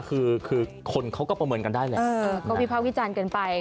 คือคือคนเขาก็ประเมินกันได้แหละก็วิภาควิจารณ์กันไป